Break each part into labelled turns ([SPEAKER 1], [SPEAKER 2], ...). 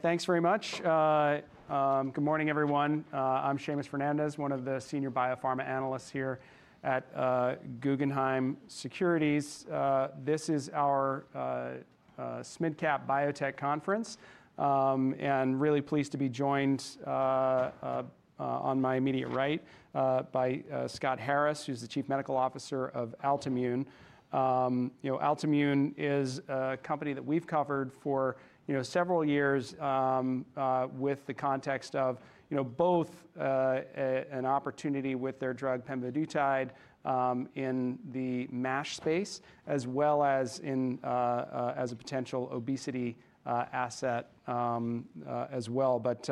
[SPEAKER 1] Thanks very much. Good morning, everyone. I'm Seamus Fernandez, one of the senior biopharma analysts here at Guggenheim Securities. This is our SMID Cap Biotech Conference, and I'm really pleased to be joined on my immediate right by Scott Harris, who's the Chief Medical Officer of Altimmune. Altimmune is a company that we've covered for several years with the context of both an opportunity with their drug, pemvidutide, in the MASH space, as well as a potential obesity asset as well. But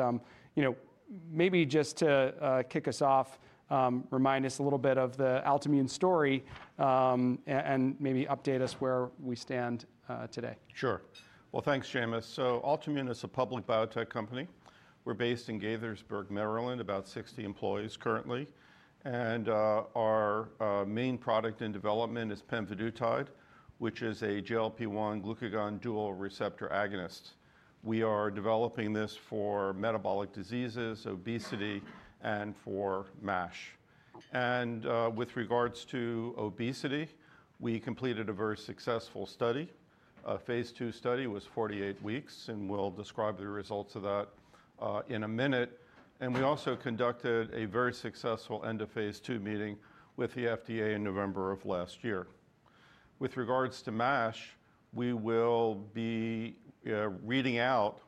[SPEAKER 1] maybe just to kick us off, remind us a little bit of the Altimmune story and maybe update us where we stand today.
[SPEAKER 2] Sure. Well, thanks, Seamus. So Altimmune is a public biotech company. We're based in Gaithersburg, Maryland, about 60 employees currently. Our main product in development is pembedutide, which is a GLP-1 glucagon dual receptor agonist. We are developing this for metabolic diseases, obesity, and for MASH. With regards to obesity, we completed a very successful study. Phase II study was 48 weeks, and we'll describe the results of that in a minute. We also conducted a very successful end of Phase II meeting with the FDA in November of last year. With regards to MASH, we will be reading out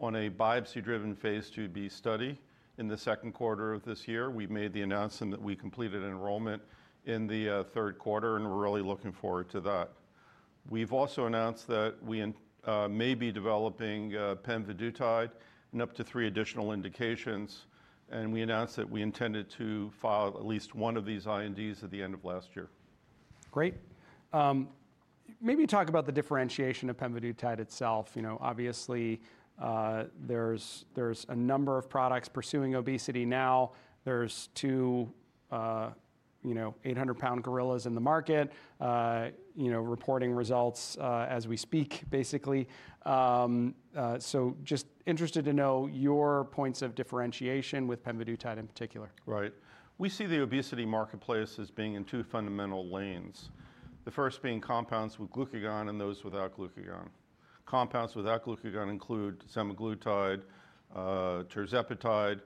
[SPEAKER 2] on a biopsy-driven Phase II-B study in the second quarter of this year. We made the announcement that we completed enrollment in the third quarter, and we're really looking forward to that. We've also announced that we may be developing pemvidutide and up to three additional indications, and we announced that we intended to file at least one of these INDs at the end of last year.
[SPEAKER 1] Great. Maybe talk about the differentiation of pemvidutide itself. Obviously, there's a number of products pursuing obesity now. There's two 800-pound gorillas in the market reporting results as we speak, basically. So just interested to know your points of differentiation with pemvidutide in particular.
[SPEAKER 2] Right. We see the obesity marketplace as being in two fundamental lanes, the first being compounds with glucagon and those without glucagon. Compounds without glucagon include semaglutide, tirzepatide.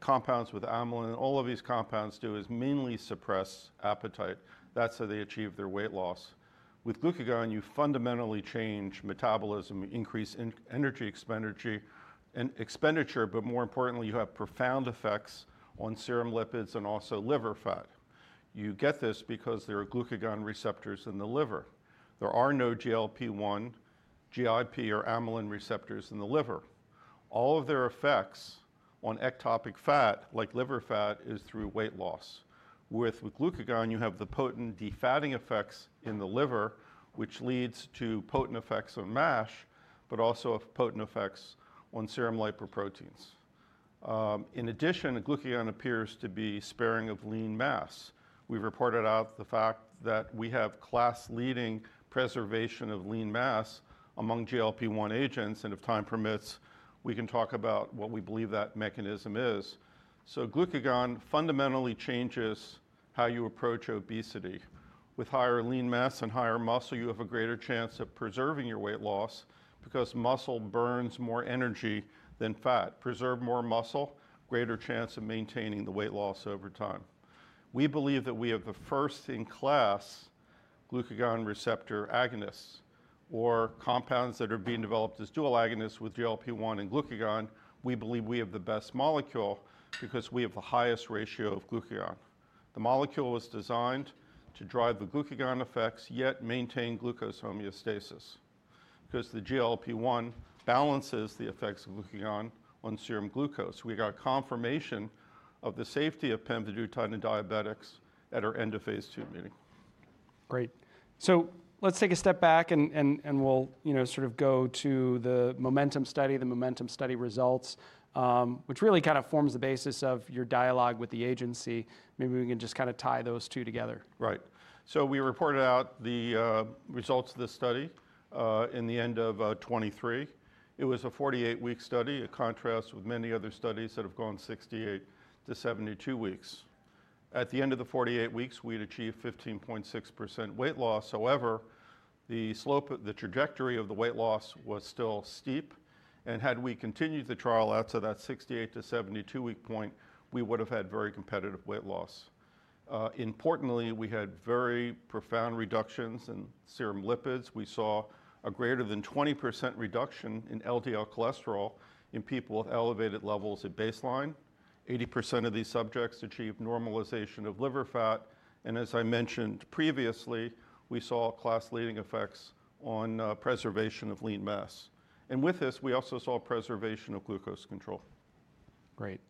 [SPEAKER 2] Compounds with amylin, all of these compounds do is mainly suppress appetite. That's how they achieve their weight loss. With glucagon, you fundamentally change metabolism, increase energy expenditure, but more importantly, you have profound effects on serum lipids and also liver fat. You get this because there are glucagon receptors in the liver. There are no GLP-1, GIP, or amylin receptors in the liver. All of their effects on ectopic fat, like liver fat, is through weight loss. With glucagon, you have the potent defatting effects in the liver, which leads to potent effects on MASH, but also potent effects on serum lipoproteins. In addition, glucagon appears to be sparing of lean mass. We've reported out the fact that we have class-leading preservation of lean mass among GLP-1 agents, and if time permits, we can talk about what we believe that mechanism is, so glucagon fundamentally changes how you approach obesity. With higher lean mass and higher muscle, you have a greater chance of preserving your weight loss because muscle burns more energy than fat. Preserve more muscle, greater chance of maintaining the weight loss over time. We believe that we have the first in class glucagon receptor agonists, or compounds that are being developed as dual agonists with GLP-1 and glucagon. We believe we have the best molecule because we have the highest ratio of glucagon. The molecule was designed to drive the glucagon effects, yet maintain glucose homeostasis because the GLP-1 balances the effects of glucagon on serum glucose. We got confirmation of the safety of pemvidutide in diabetics at our end of Phase II meeting.
[SPEAKER 1] Great. So let's take a step back and we'll sort of go to the MOMENTUM study, the MOMENTUM study results, which really kind of forms the basis of your dialogue with the agency. Maybe we can just kind of tie those two together.
[SPEAKER 2] Right. So we reported out the results of the study at the end of 2023. It was a 48-week study in contrast with many other studies that have gone 68-72 weeks. At the end of the 48 weeks, we had achieved 15.6% weight loss. However, the trajectory of the weight loss was still steep, and had we continued the trial out to that 68 to 72-week point, we would have had very competitive weight loss. Importantly, we had very profound reductions in serum lipids. We saw a greater than 20% reduction in LDL cholesterol in people with elevated levels at baseline. 80% of these subjects achieved normalization of liver fat, and as I mentioned previously, we saw class-leading effects on preservation of lean mass, and with this, we also saw preservation of glucose control.
[SPEAKER 1] Great.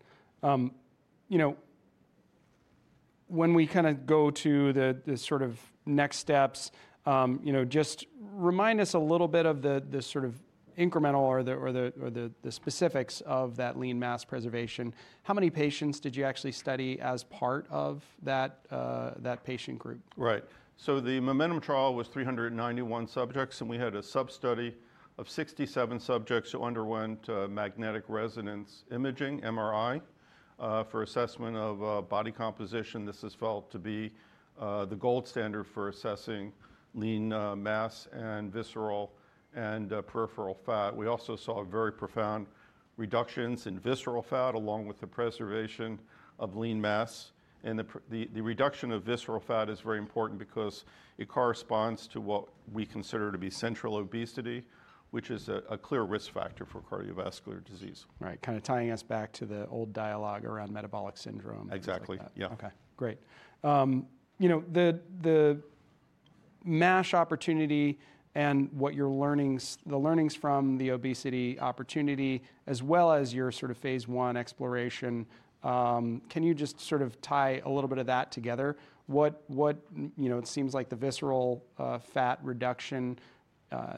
[SPEAKER 1] When we kind of go to the sort of next steps, just remind us a little bit of the sort of incremental or the specifics of that lean mass preservation. How many patients did you actually study as part of that patient group?
[SPEAKER 2] Right, so the MOMENTUM trial was 391 subjects, and we had a sub-study of 67 subjects who underwent Magnetic Resonance Imaging, MRI, for assessment of body composition. This is felt to be the gold standard for assessing lean mass and visceral and peripheral fat. We also saw very profound reductions in visceral fat along with the preservation of lean mass, and the reduction of visceral fat is very important because it corresponds to what we consider to be central obesity, which is a clear risk factor for cardiovascular disease.
[SPEAKER 1] Right. Kind of tying us back to the old dialogue around metabolic syndrome.
[SPEAKER 2] Exactly. Yeah.
[SPEAKER 1] Okay. Great. The MASH opportunity and the learnings from the obesity opportunity, as well as your sort of Phase I exploration, can you just sort of tie a little bit of that together? It seems like the visceral fat reduction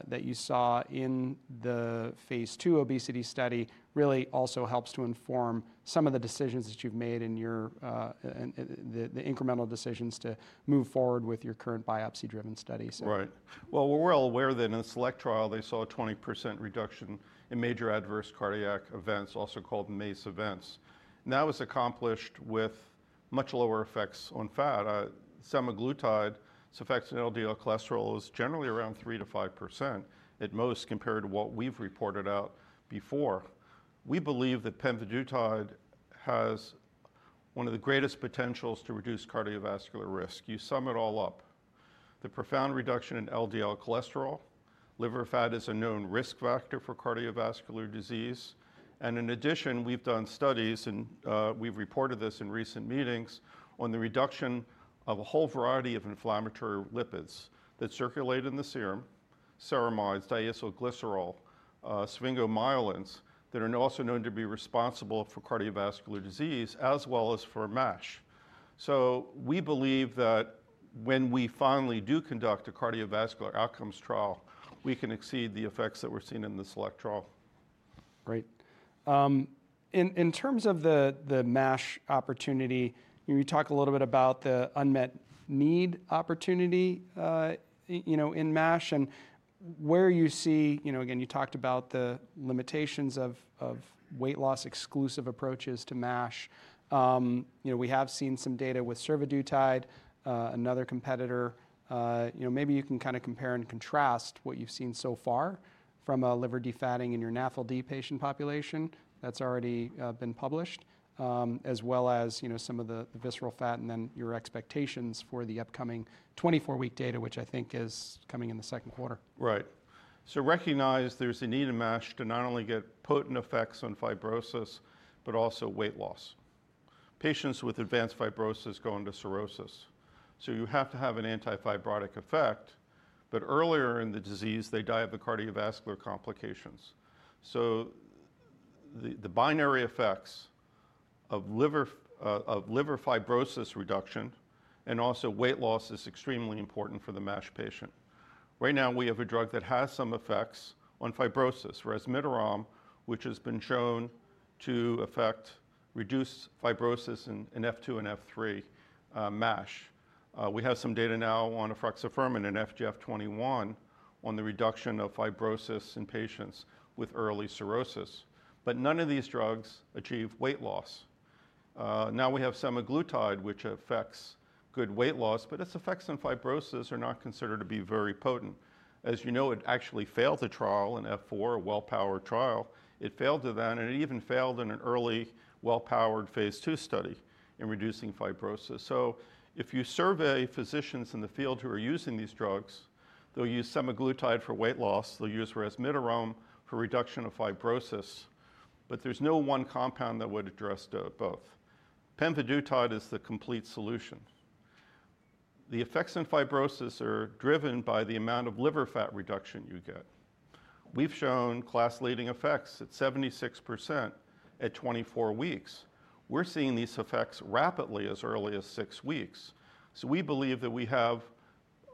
[SPEAKER 1] that you saw in the Phase II obesity study really also helps to inform some of the decisions that you've made in the incremental decisions to move forward with your current biopsy-driven study.
[SPEAKER 2] Right. Well, we're well aware that in the SELECT trial, they saw a 20% reduction in major adverse cardiac events, also called MACE events. And that was accomplished with much lower effects on fat. semaglutide's effects on LDL cholesterol was generally around 3% -5% at most compared to what we've reported out before. We believe that pemvidutide has one of the greatest potentials to reduce cardiovascular risk. You sum it all up. The profound reduction in LDL cholesterol, liver fat is a known risk factor for cardiovascular disease. And in addition, we've done studies, and we've reported this in recent meetings, on the reduction of a whole variety of inflammatory lipids that circulate in the serum, ceramides, diacylglycerol, sphingomyelins that are also known to be responsible for cardiovascular disease, as well as for MASH. So we believe that when we finally do conduct a cardiovascular outcomes trial, we can exceed the effects that we're seeing in the SELECT trial.
[SPEAKER 1] Great. In terms of the MASH opportunity, you talked a little bit about the unmet need opportunity in MASH and where you see, again, you talked about the limitations of weight loss exclusive approaches to MASH. We have seen some data with survodutide, another competitor. Maybe you can kind of compare and contrast what you've seen so far from a liver defatting in your NAFLD patient population that's already been published, as well as some of the visceral fat and then your expectations for the upcoming 24-week data, which I think is coming in the second quarter.
[SPEAKER 2] Right. So recognize there's a need in MASH to not only get potent effects on fibrosis, but also weight loss. Patients with advanced fibrosis go into cirrhosis. So you have to have an antifibrotic effect, but earlier in the disease, they die of the cardiovascular complications. So the binary effects of liver fibrosis reduction and also weight loss is extremely important for the MASH patient. Right now, we have a drug that has some effects on fibrosis, resmetirom, which has been shown to affect reduced fibrosis in F2 and F3 MASH. We have some data now on efruxifermin and FGF21 on the reduction of fibrosis in patients with early cirrhosis. But none of these drugs achieve weight loss. Now we have semaglutide, which affects good weight loss, but its effects on fibrosis are not considered to be very potent. As you know, it actually failed the trial in F4, a well-powered trial. It failed to then, and it even failed in an early well-powered Phase II study in reducing fibrosis. So if you survey physicians in the field who are using these drugs, they'll use semaglutide for weight loss. They'll use resmetirom for reduction of fibrosis. But there's no one compound that would address both. pemvidutide is the complete solution. The effects in fibrosis are driven by the amount of liver fat reduction you get. We've shown class-leading effects at 76% at 24 weeks. We're seeing these effects rapidly as early as six weeks. So we believe that we have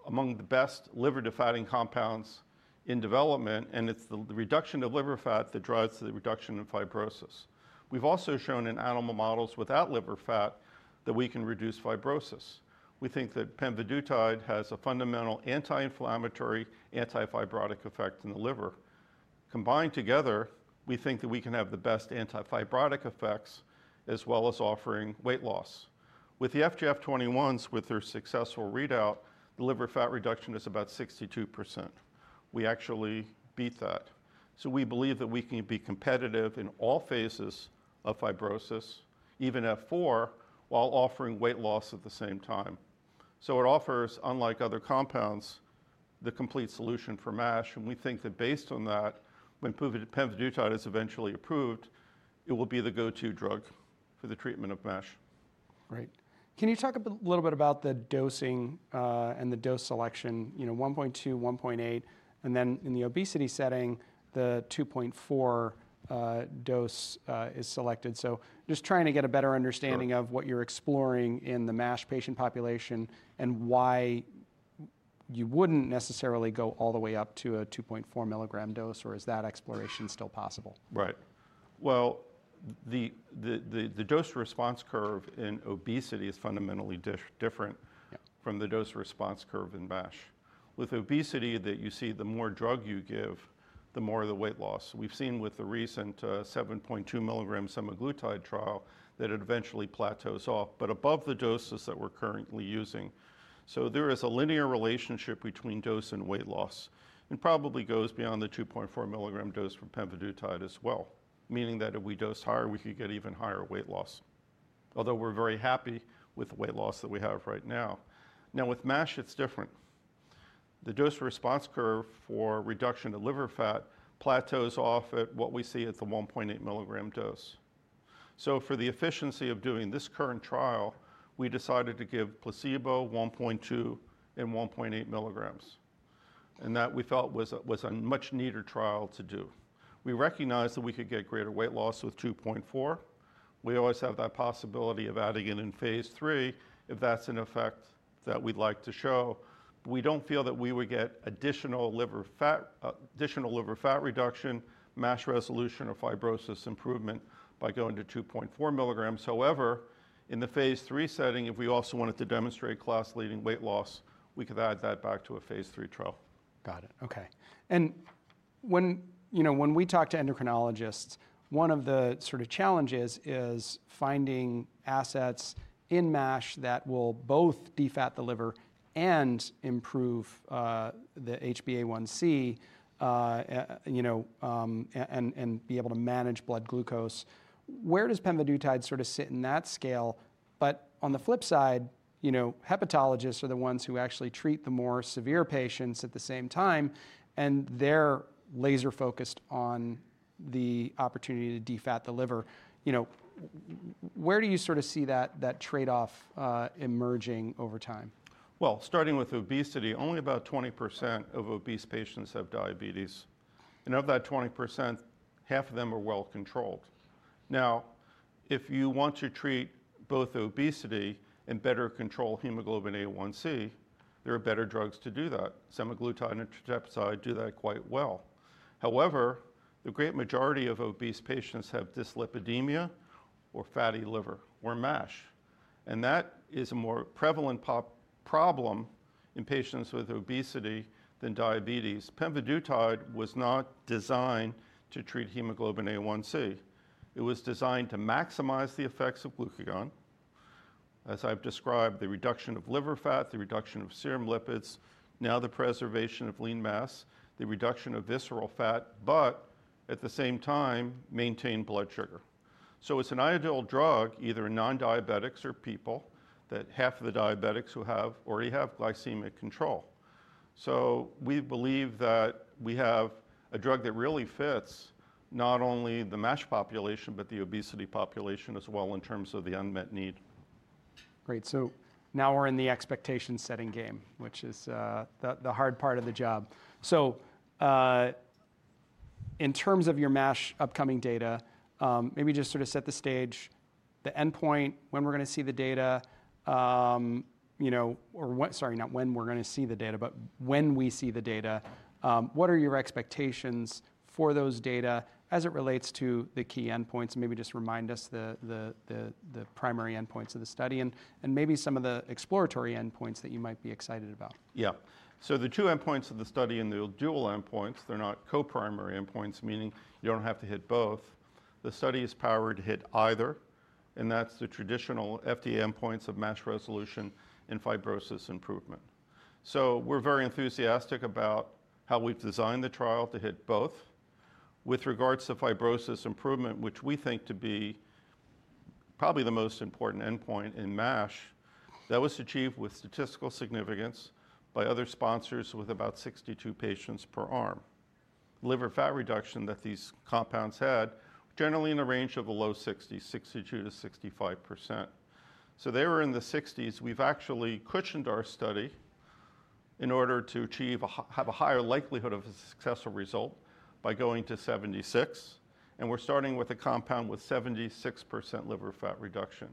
[SPEAKER 2] among the best liver defatting compounds in development, and it's the reduction of liver fat that drives the reduction of fibrosis. We've also shown in animal models without liver fat that we can reduce fibrosis. We think that pemvidutide has a fundamental anti-inflammatory, antifibrotic effect in the liver. Combined together, we think that we can have the best antifibrotic effects as well as offering weight loss. With the FGF21s, with their successful readout, the liver fat reduction is about 62%. We actually beat that. So we believe that we can be competitive in all phases of fibrosis, even F4, while offering weight loss at the same time. So it offers, unlike other compounds, the complete solution for MASH. And we think that based on that, when pemvidutide is eventually approved, it will be the go-to drug for the treatment of MASH.
[SPEAKER 1] Great. Can you talk a little bit about the dosing and the dose selection, 1.2, 1.8, and then in the obesity setting, the 2.4 dose is selected. So just trying to get a better understanding of what you're exploring in the MASH patient population and why you wouldn't necessarily go all the way up to a 2.4 milligram dose, or is that exploration still possible?
[SPEAKER 2] Right. Well, the dose response curve in obesity is fundamentally different from the dose response curve in MASH. With obesity, that you see the more drug you give, the more the weight loss. We've seen with the recent 7.2 milligram semaglutide trial that it eventually plateaus off, but above the doses that we're currently using. So there is a linear relationship between dose and weight loss and probably goes beyond the 2.4 milligram dose for pemvidutide as well, meaning that if we dose higher, we could get even higher weight loss, although we're very happy with the weight loss that we have right now. Now with MASH, it's different. The dose response curve for reduction of liver fat plateaus off at what we see at the 1.8 milligram dose. So for the efficiency of doing this current trial, we decided to give placebo 1.2 milligrams and 1.8 milligrams. That we felt was a much neater trial to do. We recognize that we could get greater weight loss with 2.4. We always have that possibility of adding it in phase three if that's an effect that we'd like to show. We don't feel that we would get additional liver fat reduction, MASH resolution, or fibrosis improvement by going to 2.4 milligrams. However, in the Phase III setting, if we also wanted to demonstrate class-leading weight loss, we could add that back to a Phase III trial.
[SPEAKER 1] Got it. Okay. And when we talk to endocrinologists, one of the sort of challenges is finding assets in MASH that will both defat the liver and improve the HbA1c and be able to manage blood glucose. Where does pemvidutide sort of sit in that scale? But on the flip side, hepatologists are the ones who actually treat the more severe patients at the same time, and they're laser-focused on the opportunity to defat the liver. Where do you sort of see that trade-off emerging over time?
[SPEAKER 2] Starting with obesity, only about 20% of obese patients have diabetes. Of that 20%, half of them are well controlled. Now, if you want to treat both obesity and better control hemoglobin A1c, there are better drugs to do that. semaglutide and tirzepatide do that quite well. However, the great majority of obese patients have dyslipidemia or fatty liver or MASH. That is a more prevalent problem in patients with obesity than diabetes. Pemvidutide was not designed to treat hemoglobin A1c. It was designed to maximize the effects of glucagon, as I've described, the reduction of liver fat, the reduction of serum lipids, now the preservation of lean mass, the reduction of visceral fat, but at the same time, maintain blood sugar. It's an ideal drug, either in non-diabetics or people, that half of the diabetics who have already have glycemic control. So we believe that we have a drug that really fits not only the MASH population, but the obesity population as well in terms of the unmet need.
[SPEAKER 1] Great. So now we're in the expectation-setting game, which is the hard part of the job. So in terms of your MASH upcoming data, maybe just sort of set the stage, the endpoint, when we're going to see the data, or sorry, not when we're going to see the data, but when we see the data, what are your expectations for those data as it relates to the key endpoints? Maybe just remind us the primary endpoints of the study and maybe some of the exploratory endpoints that you might be excited about.
[SPEAKER 2] Yeah. So the two endpoints of the study and the dual endpoints, they're not co-primary endpoints, meaning you don't have to hit both. The study is powered to hit either, and that's the traditional FDA endpoints of MASH resolution and fibrosis improvement. So we're very enthusiastic about how we've designed the trial to hit both. With regards to fibrosis improvement, which we think to be probably the most important endpoint in MASH, that was achieved with statistical significance by other sponsors with about 62 patients per arm. Liver fat reduction that these compounds had generally in the range of the low 60s, 62%-65%. So they were in the 60s. We've actually cushioned our study in order to have a higher likelihood of a successful result by going to 76. And we're starting with a compound with 76% liver fat reduction.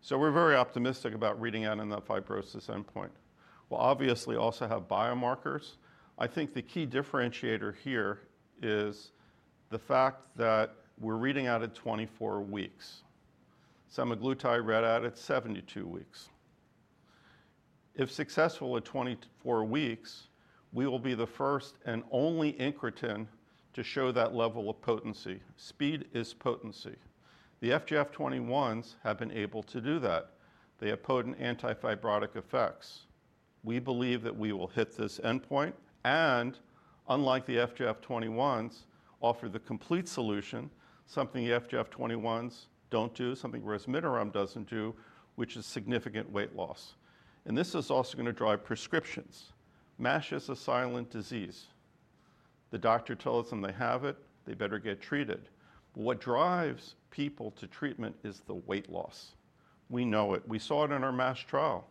[SPEAKER 2] So we're very optimistic about reading out on that fibrosis endpoint. We'll obviously also have biomarkers. I think the key differentiator here is the fact that we're reading out at 24 weeks. semaglutide read out at 72 weeks. If successful at 24 weeks, we will be the first and only incretin to show that level of potency. Speed is potency. The FGF21s have been able to do that. They have potent antifibrotic effects. We believe that we will hit this endpoint and, unlike the FGF21s, offer the complete solution, something the FGF21s don't do, something resmetirom doesn't do, which is significant weight loss. And this is also going to drive prescriptions. MASH is a silent disease. The doctor tells them they have it, they better get treated. What drives people to treatment is the weight loss. We know it. We saw it in our MASH trial.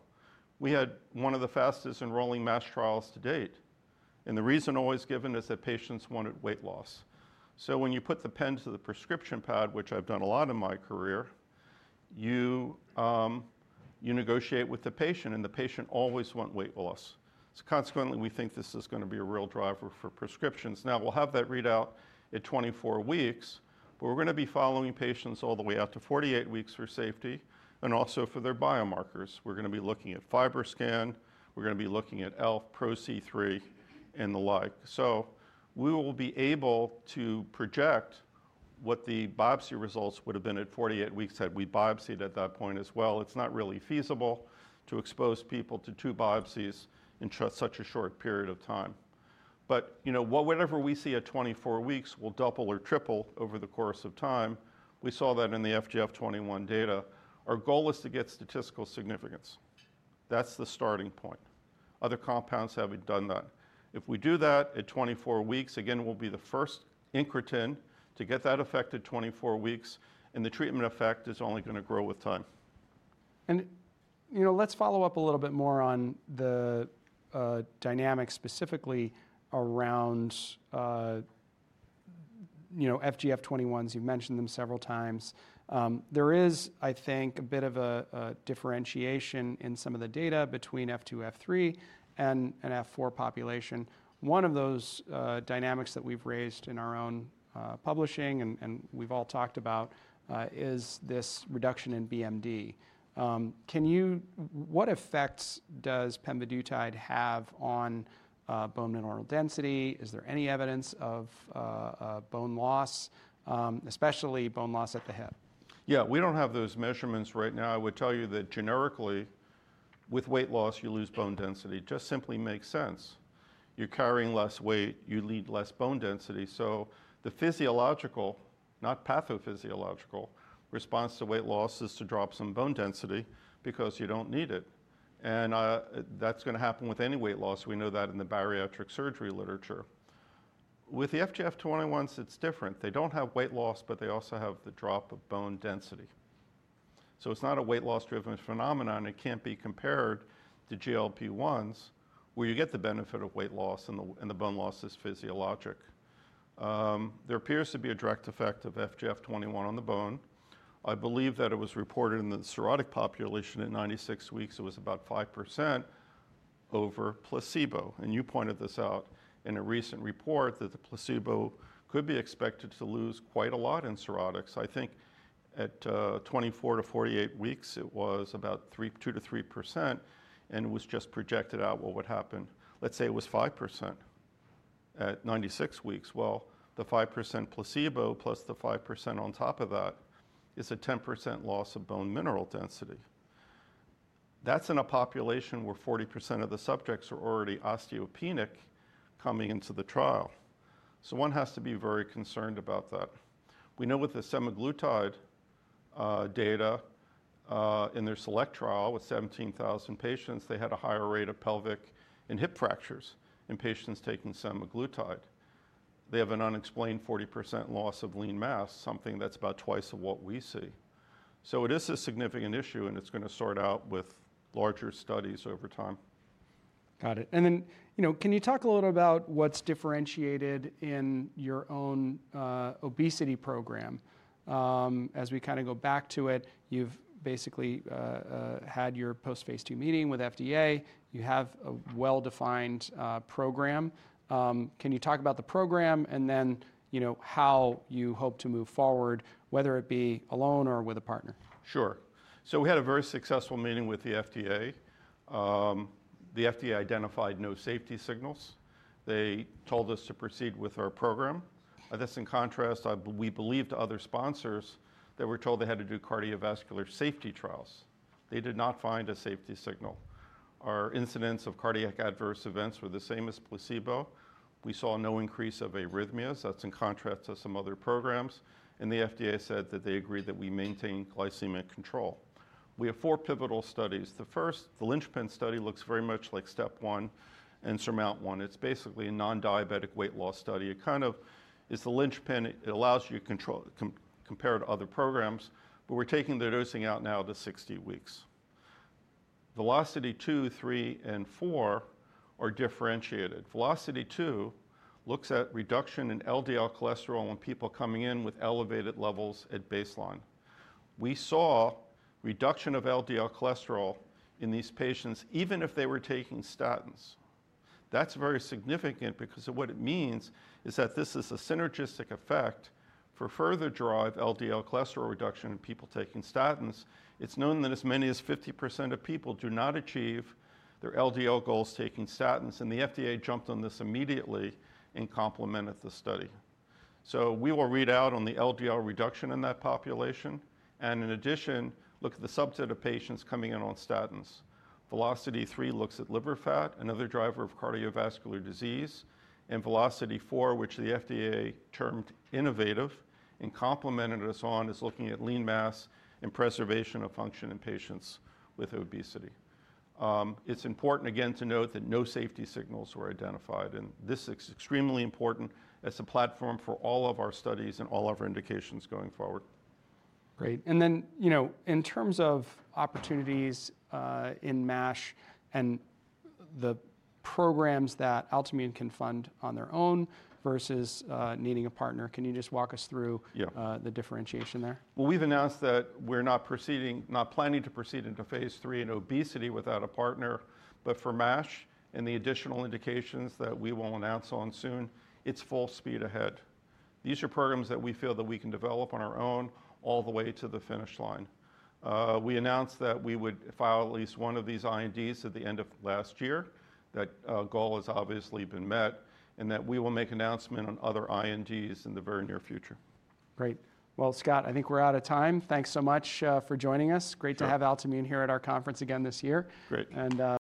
[SPEAKER 2] We had one of the fastest enrolling MASH trials to date, and the reason always given is that patients wanted weight loss, so when you put the pen to the prescription pad, which I've done a lot in my career, you negotiate with the patient, and the patient always want weight loss. Consequently, we think this is going to be a real driver for prescriptions. Now, we'll have that readout at 24 weeks, but we're going to be following patients all the way out to 48 weeks for safety and also for their biomarkers. We're going to be looking at FibroScan. We're going to be looking at ELF, ProC3, and the like. We will be able to project what the biopsy results would have been at 48 weeks had we biopsied at that point as well. It's not really feasible to expose people to two biopsies in such a short period of time. But whatever we see at 24 weeks, we'll double or triple over the course of time. We saw that in the FGF21 data. Our goal is to get statistical significance. That's the starting point. Other compounds haven't done that. If we do that at 24 weeks, again, we'll be the first incretin to get that effect at 24 weeks, and the treatment effect is only going to grow with time.
[SPEAKER 1] Let's follow up a little bit more on the dynamic specifically around FGF21s. You've mentioned them several times. There is, I think, a bit of a differentiation in some of the data between F2, F3, and an F4 population. One of those dynamics that we've raised in our own publishing and we've all talked about is this reduction in BMD. What effects does pemvidutide have on bone mineral density? Is there any evidence of bone loss, especially bone loss at the hip?
[SPEAKER 2] Yeah. We don't have those measurements right now. I would tell you that generically, with weight loss, you lose bone density. It just simply makes sense. You're carrying less weight. You need less bone density. So the physiological, not pathophysiological, response to weight loss is to drop some bone density because you don't need it. And that's going to happen with any weight loss. We know that in the bariatric surgery literature. With the FGF21s, it's different. They don't have weight loss, but they also have the drop of bone density. So it's not a weight loss-driven phenomenon. It can't be compared to GLP-1s, where you get the benefit of weight loss and the bone loss is physiologic. There appears to be a direct effect of FGF21 on the bone. I believe that it was reported in the Cirrhotic population at 96 weeks. It was about 5% over placebo. You pointed this out in a recent report that the placebo could be expected to lose quite a lot in Cirrhotics. I think at 24-48 weeks, it was about 2%-3%. It was just projected out what would happen. Let's say it was 5% at 96 weeks. The 5% placebo plus the 5% on top of that is a 10% loss of bone mineral density. That's in a population where 40% of the subjects are already osteopenic coming into the trial. So one has to be very concerned about that. We know with the semaglutide data in their SELECT trial with 17,000 patients, they had a higher rate of pelvic and hip fractures in patients taking semaglutide. They have an unexplained 40% loss of lean mass, something that's about twice of what we see. So it is a significant issue, and it's going to sort out with larger studies over time.
[SPEAKER 1] Got it. And then can you talk a little about what's differentiated in your own obesity program? As we kind of go back to it, you've basically had your post-Phase II meeting with FDA. You have a well-defined program. Can you talk about the program and then how you hope to move forward, whether it be alone or with a partner?
[SPEAKER 2] Sure, so we had a very successful meeting with the FDA. The FDA identified no safety signals. They told us to proceed with our program. This, in contrast, we believed other sponsors that were told they had to do cardiovascular safety trials. They did not find a safety signal. Our incidence of cardiac adverse events were the same as placebo. We saw no increase of arrhythmias. That's in contrast to some other programs, and the FDA said that they agreed that we maintain glycemic control. We have four pivotal studies. The first, the linchpin study, looks very much like STEP 1 and SURMOUNT-1. It's basically a non-diabetic weight loss study. It kind of is the linchpin. It allows you to compare to other programs, but we're taking the dosing out now to 60 weeks. VELOCITY-2, VELOCITY-3, and VELOCITY-4 are differentiated. VELOCITY-2 looks at reduction in LDL cholesterol in people coming in with elevated levels at baseline. We saw reduction of LDL cholesterol in these patients even if they were taking statins. That's very significant because what it means is that this is a synergistic effect for further drive LDL cholesterol reduction in people taking statins. It's known that as many as 50% of people do not achieve their LDL goals taking statins, and the FDA jumped on this immediately and complimented the study, so we will read out on the LDL reduction in that population, and in addition, look at the subset of patients coming in on statins. VELOCITY-3 looks at liver fat, another driver of cardiovascular disease, and VELOCITY-4, which the FDA termed innovative and complimented us on, is looking at lean mass and preservation of function in patients with obesity. It's important again to note that no safety signals were identified, and this is extremely important as a platform for all of our studies and all of our indications going forward.
[SPEAKER 1] Great. And then in terms of opportunities in MASH and the programs that Altimmune can fund on their own versus needing a partner, can you just walk us through the differentiation there?
[SPEAKER 2] We've announced that we're not planning to proceed into Phase III in obesity without a partner. But for MASH and the additional indications that we will announce on soon, it's full speed ahead. These are programs that we feel that we can develop on our own all the way to the finish line. We announced that we would file at least one of these INDs at the end of last year. That goal has obviously been met and that we will make announcement on other INDs in the very near future.
[SPEAKER 1] Great. Well, Scott, I think we're out of time. Thanks so much for joining us. Great to have Altimmune here at our conference again this year.
[SPEAKER 2] Great.
[SPEAKER 1] And.